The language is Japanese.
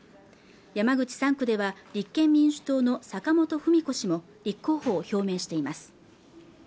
山口３区では立憲民主党の坂本史子氏も立候補を表明しています